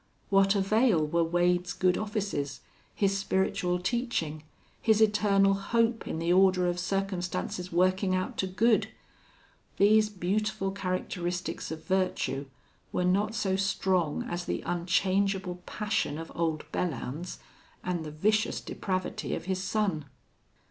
What avail were Wade's good offices, his spiritual teaching, his eternal hope in the order of circumstances working out to good? These beautiful characteristics of virtue were not so strong as the unchangeable passion of old Belllounds and the vicious depravity of his son.